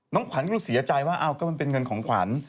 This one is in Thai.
ขวัญก็รู้สึกเสียใจว่าอ้าวก็มันเป็นเงินของขวัญ